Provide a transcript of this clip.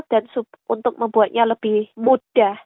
dan untuk membuatnya lebih mudah